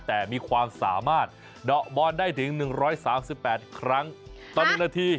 แต่มีความสามารถเดาะบอลได้ถึง๑๓๘ครั้งต่อ๑นาที